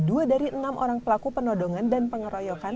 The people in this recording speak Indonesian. dua dari enam orang pelaku penodongan dan pengeroyokan